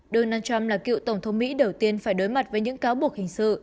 donald trump là cựu tổng thống mỹ đầu tiên phải đối mặt với những cáo buộc hình sự